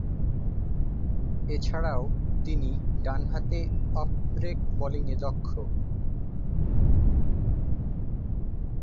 এছাড়াও তিনি ডানহাতে অফ-ব্রেক বোলিংয়ে দক্ষ।